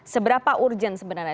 seberapa urgent sebenarnya